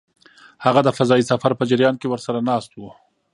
هغه د فضايي سفر په جریان کې ورسره ناست و.